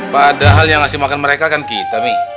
padahal yang ngasih makan mereka kan kita nih